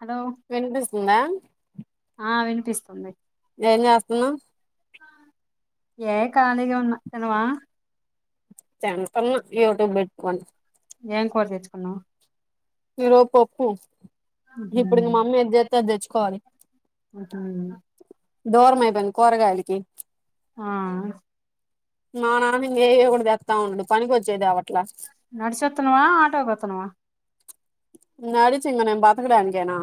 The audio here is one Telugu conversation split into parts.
హలో వినిపిస్తుందా ఆ వినిపిస్తుంది ఏం చేస్తున్నాం ఏ కాళగా ఉన్నా తిన్నావా టిటన్న యూట్యూబ్ పెట్టుకొని ఏం కూర తెచ్చుకున్నా మీరు పప్పు ఉహు ఇప్పుడు మమ్మీ ఎదిస్త తెచ్చుకోవాలి ఆహ దూరమైతాంది కూరగాయలకి ఆ మా నాన్న ఏవ కూడా తెస్తా ఉండు పనికి వచ్చేది అబట్టి నడిచొతునువా ఆటోకతునువా నడిచేంగ నేను పాతుకుడానుకేనా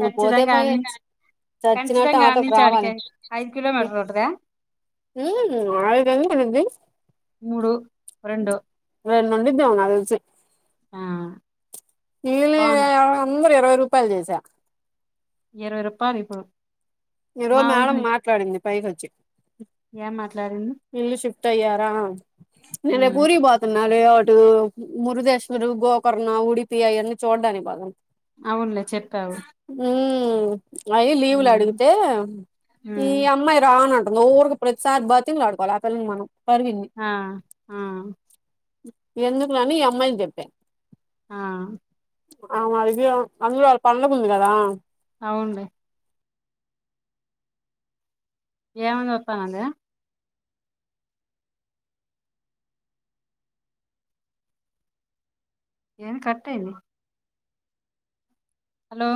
ఖచ్చితంగా పోతే పోయే కానీ చచ్చినట్టు ఖచ్చితంగా ఆటోకి రావాలి అన్నించాడికి ఐదు కిలోమీటర్ రోడ్టిద మూడు రెండు [unintelligible] నాకు తెలిసే ఆ నీళ బాగుంది అందరు ఇరవై రూపాయల్ చేసా ఇరవై రూపాయలె ఇగో ఈ రోజ్ మేడం మాట్లాడింది పైకి వచ్చి ఏం మాట్లాడింది టయ్యార నేను రేప్ ఉమ్ ఊరికి పోతున్న అలె ఒటు మురుధేశ్వరు గోకర్ణ ఉడిపి అవన్నీ చూడ్డానికి బాగ అవున్లే చెప్పావు ఉమ్ అయి లీవు్లు ఉమ్ అడిగితే ఈ ఉమ్ అమ్మాయి రానన్ ఊర్కె ప్రతిసార్ బ్రతింగ్లాడుకోవాల అకలి మనం పరివిన్ని హా ఆ ఎందుక్లె అని ఈ అమ్మాయిని చెప్పా ఆ ఆమె అదియ అందులో పండకుంది కదా అవున్లే ఏమంది వస్తానందా ఏమ్ కట్టయిందా హలో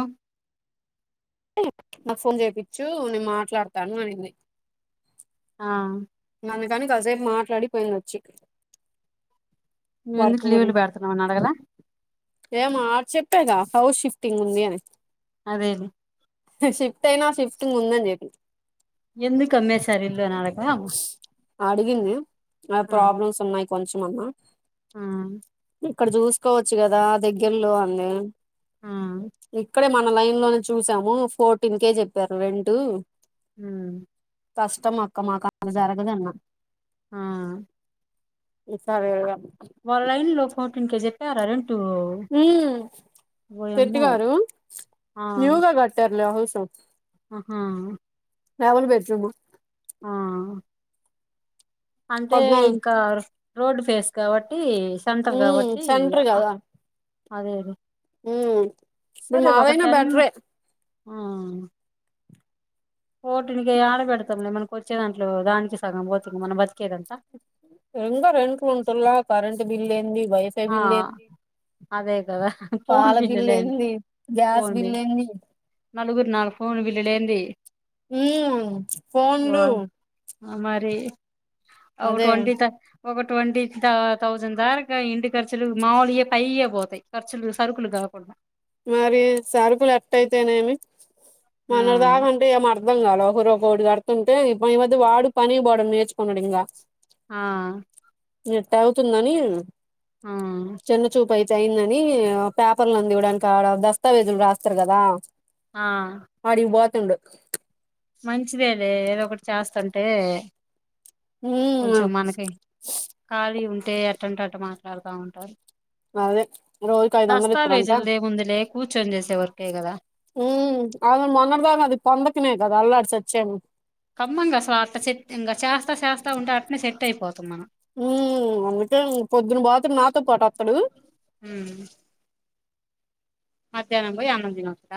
నాకు ఫోన్ చేపిచ్చు నేను మాట్లాడతాను అనింది ఆ అందుకని కాసేపు మాట్లాడిపోయింది వచ్చి నువ్ ఎందుకు లీవ్లు పెడుతున్నావాని అడగల ఏమ చెప్పాగ హౌస్ షిఫ్టింగ్ ఉంది అని అదేదె షిఫ్ట్ అయినా ఆ షిఫ్ట్ ముందని చెప్పి ఎందుకమ్మె సరల్లో నానకు అడిగింది ఆ ప్రాబ్లమ్స్ ఉన్నాయి కొంచం అన్నా ఆ ఇక్కడ చూసుకోవచ్చు కదా దగ్గర్లో అంది ఆ అక్కడే మన లైన్ లోనే చూసాము ఫోర్టీన్ కేే చెప్పారు రెంట్ హుమ్ కష్టమక్క మాకలా జరగదన్న ఆ ఈ సరే రిగా వాళ్ళ లైన్ లో ఫోర్టీన్ కే చెప్పారా రెంటు ఉ తట్ ఓయమ్మో గారు న్యూగా కట్టారు హు సు ఉహు డబల్ బెడ్ రూమ్ అంటే పద్నాలుగు ఇంకా రోడ్ ఫేస్ కాబట్టి సెంటర్ ఉమ్ కాబట్టి సెంటర్ అదేదె ఉ మీ మావైనా బెట్రే ఆ పోటినికె యాడ పెడతాం లే మనం వచ్చే దాంట్లో దానికి సగం పోతే ఇంక మనం బతికేదంతా ఇంకా రెంట్లు ఉంటుల్లా కరెంట్ బిల్లు ఏంది వైఫై ఆ బిల్ ఏంది అదే కదా ఫోన్ పాల బిల్లులే బిల్లేంది గ్యాస్ బిల్లేంది నలుగురి నాలుగు ఫోన్లు బిల్లు లేంది ఉమ్ వా ఫోన్లు మరి ఒక అదే ట్వంటి త ఒక ట్వంటీ తౌసండ్ దార్ ఇం ఖర్చులు మాముూ లె పైయ పోతాయి ఖర్చులు సరుకులు కాకుండా మరి సరుకులు ఎట్ అయితేనేమి ఆ మన్నట్ దాక అంటే మర్ అర్థం కాాల ఒకరు ఒకరు కడుతుంటే ఇ ఈ మధ్య వాడు పని పోవడం నేర్చుకున్నాడు ఇంకా ఆ నట్ట అవుతుందని చిన్న చూపు అయి అైంద అని పేపర్లు అని ఇవ్వడానికి దస్తావేజులు రాస్తారు కదా ఆ తిండు మంచిదే లే ఏదో ఒకటి చేస్తుంటే ఉమ్ కొంచెం మనకి ఖాళీ ఉంటే ఎట్టంటట్టు మాట్లాడుతా ఉంటారు అదే రోజుకి ఐదు వందలు ఇత్తరంట దస్తావేజులదేముందులే కూర్చొని చేసే వరకు ఉమ్ అను మొన్నడుదా అది పొందకనేే కదా అల్లాడు చచ్చేను కమ్మంగా అసలు అట్ చెట్ కింద చేస్తా చేస్తా ఉంటే అట్నే సెట్ అయిపోతాం మనం ఉ అకే పొద్దున బాత్ర నాతో పాటు అతడు హ మధ్యాహ్నం పోయి అన్నందినోత్త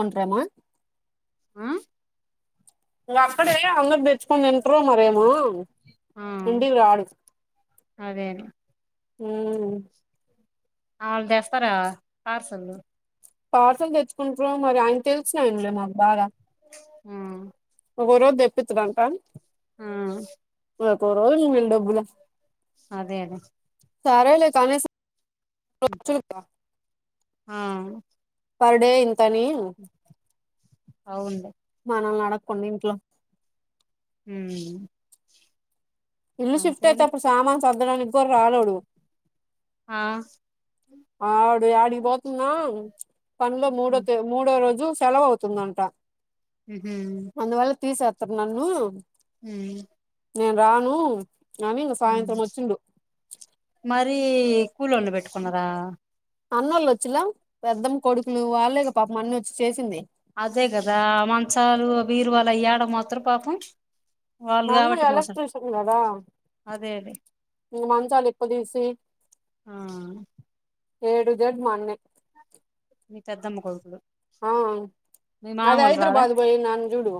కుంటరేమో ఆ అక్కడ అంగ కు నింటరు మరేమో ఆ నుంటికి రాడు అదే హ ఆ వాళ్ళు తెస్తారా పార్సల్ పార్సల్ తెచ్చుకుంట్ర మరి ఆయన తెలుసినాయలే మాకు బాగా ఉమ్ ఒకరోజు తెప్పించమంటా ఉమ్ అ ఒక్కొరోజువిల్ డబ్బులా అదే అదే సారే లేలకాని ఆ పర్ డే ఇంత అని అవునులే మనల్ని అడగకుండా కొన్నింట్లో హ ఇల్లు షిఫ్ట్ అయితే అప్పుడు సామాన్ సర్ద్దడానికి కోరు రాలేదు ఆ ఆడు ఆడికి పోతున్నా పనిలో మూడో ఉహు త మూడో రోజు సెలవువుతుందంట ఉమ్ అందువల్ల తీసేస్తారు నన్ను ఉ నేను రాను అని ఇంగ సాయంత్రం వచ్చిండు మరి కూలుళు పెట్టుకున్నారా అన్న వాళ్ళు వచ్చేలా పెద్దం కొడుకులు వాళ్ళగా పాపం అన్ని వచ్చి చేసింది అదే కదా మంచాలు బీరువలా అయ్యాడేలా మోత్ర్ పాపం వాళ్ళు మా అన్న కాబట్టి మోసం ఎలక్టషన్ కదా అదేలే ఇంగ మా మంచాలు ఇప్పదీసి ఆ ఏడు దడ్ మొన్నె మీ పెద్దమ్మ కోదుకులు ఆ అదే రారా హైదరాబాద్ పోయి నాన్న చూడు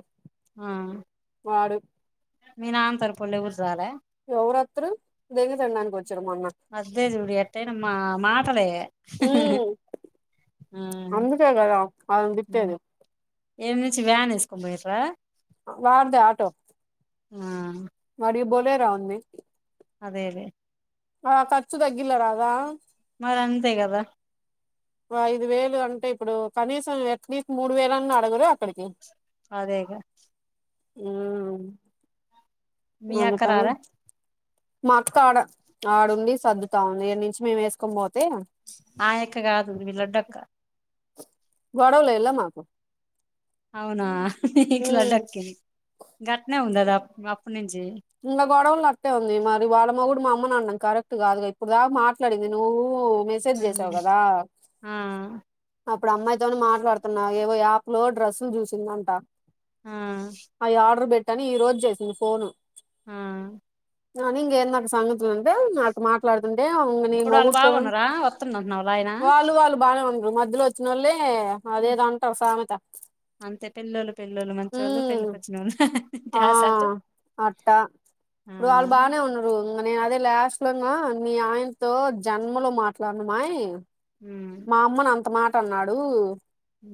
ఆ వాడు మీ నాన తరపొలే ఊరుజాల ఎవరత్తరు దెంగ తినడానికి వచ్చారు మొన్న అదేదిడి ఎట్టన మా మాటలే హ ఉమ్ అందుకే కదా అలని తిట్టేది ఏమి నుంచి వ్యాన్ వేసుకొని పోయిట్రా వాడి ద ఆటో ఆ వాడికి బోలే రా అదే అదే ఆ ఖర్చు తగ్గిల రాగా మరి అంతే కదా ఐదు వేలు అంటే ఇప్పుడు కనీసం అట్లీస్ట్ మూడు వేల అన్న అడగరు అక్కడికి అదేగా అ మీ యక్క రార మాక్క ఆడ ఆడుండి సర్దుతా ఉంది ఇక్కడి నుంచి మేము వేసుకొని పోతే ఆయక్క కాదు మీ లడ్డక్క గోడవల ఎల్ల మాకు అవునా మీకులా ఉమ్ డక్కేది గట్నే ఉందద అప్పు నుంచి ఇంకా గొడవలు నట్టే ఉంది మరి వాళ్ళ మొగుడు మా అమని అన్నాం కరెక్ట్ కాదుగా ఇప్పుడు దాకా మాట మాట్లాదిండి నువ్ మెసేజ్ చేసావు గదా ఆ అప్పుడు అమ్మాయితోనే మాట్లాడుతున్నా ఏవో యాపు లు డ్రస్సులు చూసిందంట ఆ అవి ఆర్డర్ పెట్టని ఈ రోజు చేసింది ఫోను ఆ అని ఇంగ ఏంది అక్క సంగతులు అంటే అటు మాట్లాడుతంటే ఉమ్ ఇంగ నీ ఇప్పుడు వాళ్ళు మొగుడు తో బాగున్నారా వత్తుంది అంటున్నావులా ఆయన వాళ్ళు వాళ్ళు బాగానే ఉండరు మధ్యలో వచ్చిన వాళ్ళలే అదేదో అంటారు సామెత అంతే పెళ్లోళ్ళు పెళ్లళ్ళు మంచివాళ్ళు ఉమ్ పెళ్ళికొచ్చిన వాళ్ళు ఆ డాష్ అంటారు అట్టా ఇప్పుడు వాళ్ళు బాగానే ఉన్నారు ఇనే నేను అదే లాస్ట్ లోనా నీ ఆయనతో జన్మలో మాట్లాడన మాయి ఉమ్ మా అమ్మను అంత మాట అన్నాడు అ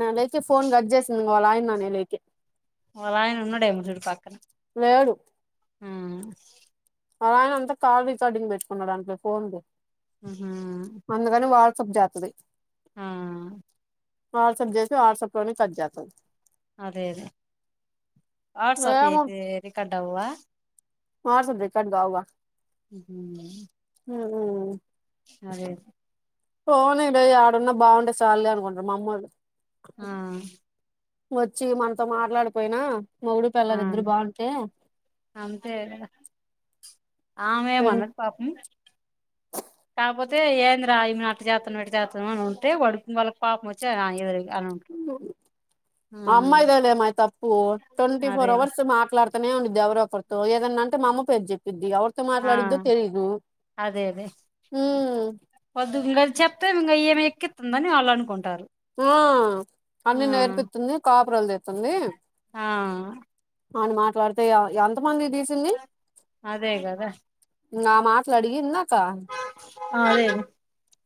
నలైకి ఫోన్ కట్ చేసింది ఇ వావాళ ఆయన నా నెలైకి వాలాన్నడేమో చూడు పాకనే లేడు ఆ అలా ఆయన అంతా కాల్ రికార్డింగ్ పెట్టుకున్నాడు అంట ఫోన్లు హ సప్ జాతది ఆ వాట్సప్ చేసి వాట్సప్ లోనే కట్ చేస్తంది అదే అదే వాట్సాప్ ఏమో అయితే రికార్డ్ అవవా వాట్సాప్ రికార్డ్ అవ్వవు హ ఆ ఆ ఫొనే చెయ్య ఇడ ఆడున్నా బాగుంటే సల్లే అనుకుంటారు మామ్మూల్లు ఆ వచ్చి మనతో మాట్లాడిపోయినా మొగుడు ఆ పెళ్ళాలు ఇద్దరు బాగుంటె ఆమె ఏమన్నది పాపము కాకపోతే ఏంది రా ఏమే అటు చేతన్నా పెట్ చేతాం అని ఉంటే వడు వాళ్ళకి పాపం వచ్చి ఎదురు అని ఉంటారు అమ్యిదాలే మా తప్పు ట్వంటీ ఫోర్ అదే అవర్స్ మాట్లా అతనే ఉండిది ఎవరో ఒకరితో ఏదన్నన్నాంటే మా అమ పేరు చెప్పి ఏర్తో ఆ మాట్లాడద్దో తెలిదు అదే అదే హ వద్దు ఇంక అది చెప్తే ఈమె ఏమి ఎక్కితుందని వాళ్ళు అనుకుంటారు ఆ ఆ అన్ని నేర్పిస్తుంది కాపురలు తెతుంది ఆ అని మాట్లాడతే ఆమె అదే కదా నా మాటలడిగిన్న అదే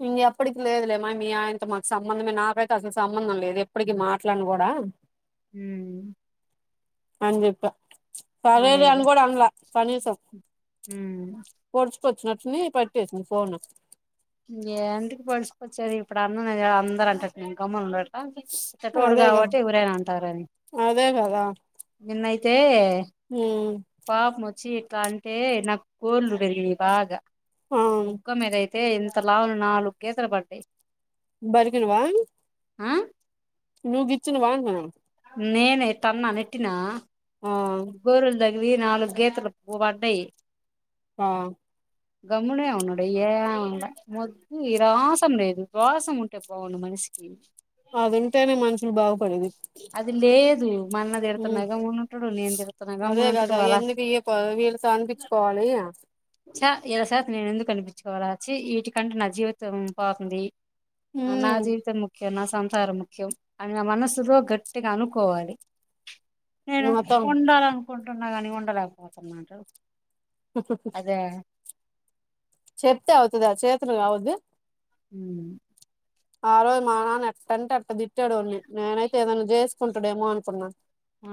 ఉమ్ ఎప్పటికి లేదు లె మా మీ ఆయనతొ మాకు సంబంధమే నాక్ ఎపుడైతె అసలు సంబంధం లేదు ఎప్పటికి మాట్లాడిన కూడా ఊమ్మ్ నేన్ జెప్ప సరే అదే లె అని కూడ అన్లా కనీసం అదే వచ్చినట్టుంది పట్టేసింది ఫోన్ ను ఎందుకు పలిసిపొచ్చేది ఇప్పుడు అన్నఉన్నడు గా అందరు అంటారు నిన్ను గమ్మునుండు అని ఎత్తటోడు అదేగా కాబట్టి ఎవరైనా అంటారని అదే కదా నిన్నయితే ఉమ్ పాపం వచ్చి ఇట్ల అంటే నాకు గోర్లు పెరినయ్ బాగా ఆ బుగ్గ మీదయితే అయితే ఇంత లావ్ నాలుగు గీతలు పడ్డయి బరిగిన్వా? నువ్ గిచ్చిన వాన్ని నేనె తన్న నెట్టిన ఆ గోరున్ తగినై నాలుగు గీతలు పడ్డై ఆ గమ్మునె ఉన్నడు ఏం ఆన్ల మొద్దు రోషం లేదు రోషం ఉంటె బాగుండు మనిష్ ష్ ఏం అదింటేనే మనుషులు బాగుపడేది. అది లేదు మా అన్న తిడుతున్న ఉమ్ గమ్మునె ఉంటడు నేను తిడుతున్న అదే గమ్మునె ఉంటడు కదా అల ఎందుకు ఈ ప వీళ్ళతో అనిపించుకోవాలి ఛ ఇల శేతన నేను ఎందుకు అనిపించుకోవాల చ్చి ఈటికంటె నా జీవితం పోతుంది. నా హ్మ్ జీవితం ముఖ్యం నాస్ సంసారం ముఖ్యం అని నా మనస్సులో గట్టిగా అనుకోవాలి. నేను మొత్తం ఉండాలనుకుంటున్న కాని ఉండలేకపోతున్నాను ఒహొ హో అదే చెప్తే అవుతదా చేతులు రావద్దు ఉమ్ ఆరోజు మా నాన్న ఎట్టంటె అట్టదిట్ తిట్టాడు ఆన్ని నేనైతే ఏదైనా చేసుకుంటాడేమో అనుకున్నా ఆ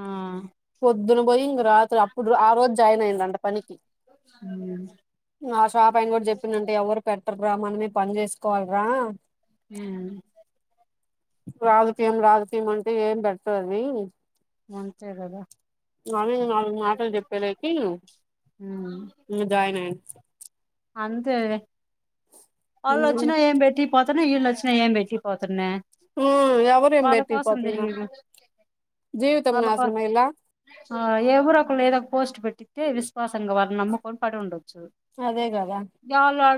పొద్దున పోయి ఇంగ రాత్రి అప్పుడు ఆ రోజు జాయిన్ అయిందట పనికి ఉమ్, ఆ షాప్ అయిన కూడ చెప్పిందంట ఎవరు పెట్టర్రా మనమే పని చేసుకోవాల్రా ఏమని? రాజకీయం రాజకీయం అంటె ఏం పెట్టదది అంతే కద అవి మా మాటలు చెప్పేలకి ఉమ్, నేన్ జాయిన్ అయిన అంతే లె ఆళ్ళు అచ్చినా ఏం పెట్టి పాత్ ఇన్ని ఎల్లోచినై ఏం పెట్టి పోతున్నా ఉమ్మ్ ఎవరం ఏం వాళ్ళ పెట్టి కోసం పోతున్న తిరిగి జీవితం నాశనం అయ్యేల ఆ ఎవరు ఒకరు ఏదో ఒక పోస్ట్ పెట్టితే విశ్వాసంగా వాళ్ళని నమ్ముకొని పడి ఉండొచ్చు. అదే కద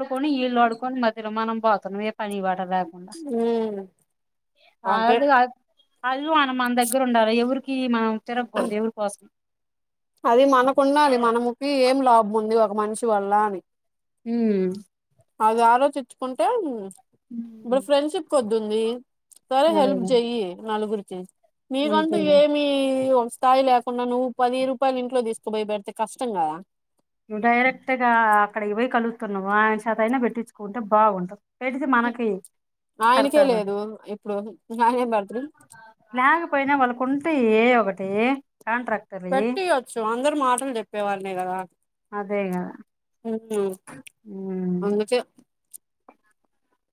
పోని ఈళ్ళు అడుక్కొని మధ్య లో మనం పోతున్నాం పని బాట లేకుండ హ్మ్ అదే అద్ అది అనుమానం మన దగ్గర ఉండాలె ఎవరికి మనం తిరగకూడదు దేవుడు కోసం అది మనకుండాలి మనముకి ఏం లాభం ఉంది ఒక మనిషి వల్ల అని ఉహ్మ్ అది ఆలోచించుకుంటే ఇప్పుడు ఫ్రెండ్షిప్ కొద్దుంది సరే హెల్ప్ అదేగా జెయ్యి నలుగురికి నీకంటూ అంతేగా ఏమి స్థాయి లేకుండా నువ్వు పది రూపాయలు ఇంట్లో తీసుకుపోయి పెడితే కష్టం గదా నువ్వు డైరెక్ట్ గా అక్కడ బోయి కలుతున్నావు ఆయన చేత అయినా పెట్టించుకుంటే బాగుంటవు ఆయనకే లేదు ఇప్పుడు ఆయన ఏం బెడతడు లేకపోయినా వాళ్ళకు ఉంటాయి ఒకటీ పెట్టియొచ్చు అందరు మాటలు చెప్పేవారనే గదా అదే గదా ఉమ్ అందుకే